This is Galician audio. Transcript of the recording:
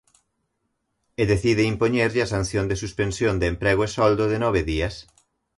E decide impoñerlle a sanción de suspensión de emprego e soldo de nove días.